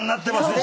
今。